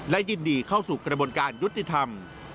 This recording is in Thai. และยินดีเข้าสู่กระบวนการยุติธรรม